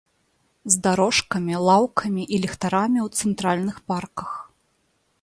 З дарожкамі, лаўкамі і ліхтарамі ў цэнтральных парках.